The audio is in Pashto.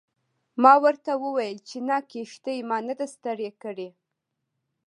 ما ورته وویل چې نه کښتۍ ما نه ده ستړې کړې.